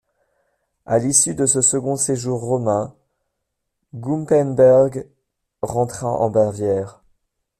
À l'issue de ce second séjour romain, Gumppenberg rentra en Bavière.